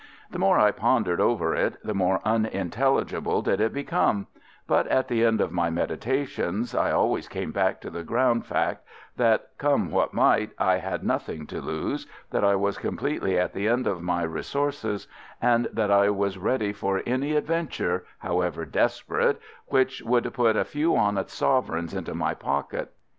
The more I pondered over it the more unintelligible did it become; but at the end of my meditations I always came back to the ground fact that, come what might, I had nothing to lose, that I was completely at the end of my resources, and that I was ready for any adventure, however desperate, which would put a few honest sovereigns into my pocket.